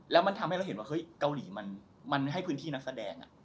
แล้วมันทำให้เราเห็นว่าเฮ้ยเกาหลีมันให้พื้นที่นักแสดง